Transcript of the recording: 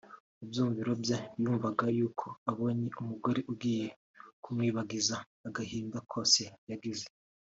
mu byiyumviro bye yumvaga y’uko abonye umugore ugiye kumwibagiza agahinda kose yagize